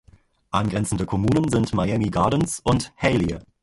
Angrenzende Kommunen sind Miami Gardens und Hialeah.